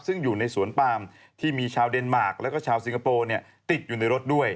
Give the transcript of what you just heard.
ซึ่งอยู่ในสวนปามที่มีชาวเดนมาร์กแล้วก็ชาวสิงคโปร์ติดอยู่ในรถด้วย